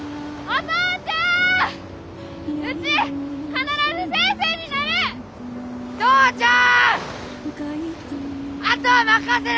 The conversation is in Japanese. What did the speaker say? お父ちゃん！